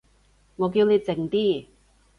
我叫你靜啲